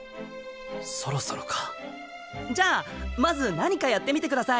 そろそろかじゃあまず何かやってみてください！